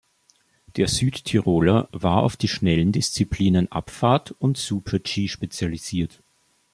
Der Südtiroler war auf die schnellen Disziplinen Abfahrt und Super-G spezialisiert.